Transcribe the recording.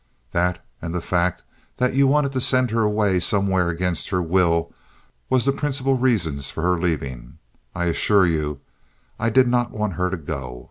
That, and the fact that you wanted to send her away somewhere against her will, was the principal reasons for her leaving. I assure you I did not want her to go.